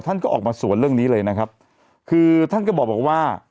ท่านก็ออกมาสวนเรื่องนี้เลยนะครับคือท่านก็บอกว่า